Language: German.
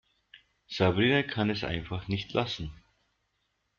Sabrina kann es einfach nicht lassen.